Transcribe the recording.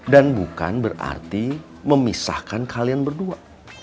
dan bukan berarti memisahkan kalian berdua